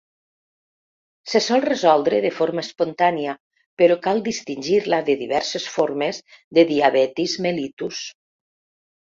Se sol resoldre de forma espontània, però cal distingir-la de diverses formes de diabetis mellitus.